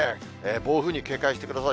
暴風に警戒してください。